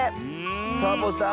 サボさん